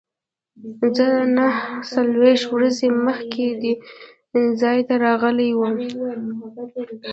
زه نهه څلوېښت ورځې مخکې دې ځای ته راغلی وم.